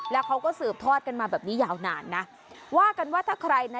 แล้วเขาก็สืบทอดกันมาแบบนี้ยาวนานนะว่ากันว่าถ้าใครนะ